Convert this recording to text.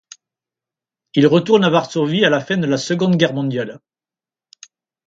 Il retourne à Varsovie à la fin de la Seconde Guerre mondiale.